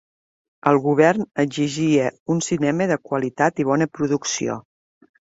El govern exigia un cinema de qualitat i bona producció.